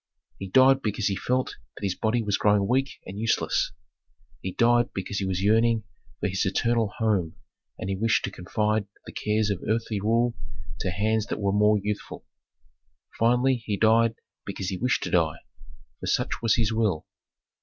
He died because he felt that his body was growing weak and useless. He died because he was yearning for his eternal home and he wished to confide the cares of earthly rule to hands that were more youthful. Finally he died because he wished to die, for such was his will.